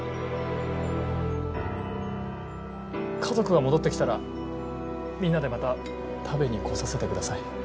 家族が戻って来たらみんなでまた食べに来させてください。